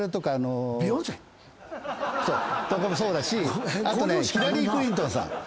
ビヨンセ？とかもそうだしあとねヒラリー・クリントンさん。